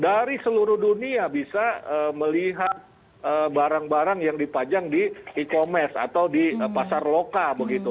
dari seluruh dunia bisa melihat barang barang yang dipajang di e commerce atau di pasar lokal begitu